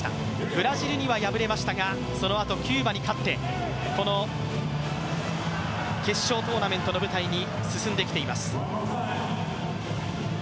ブラジルには敗れましたがそのあとキューバに勝ってこの決勝トーナメントの舞台に進んできています。